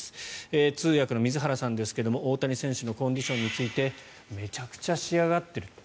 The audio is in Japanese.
通訳の水原さんですが大谷選手のコンディションについてめちゃくちゃ仕上がっている。